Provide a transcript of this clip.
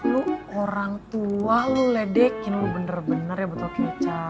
lu orang tua lu ledekin lu bener bener ya betul kecap